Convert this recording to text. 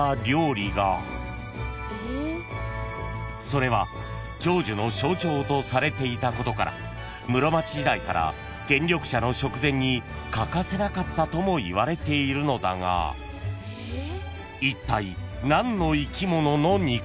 ［それは長寿の象徴とされていたことから室町時代から権力者の食膳に欠かせなかったともいわれているのだがいったい何の生き物の肉？］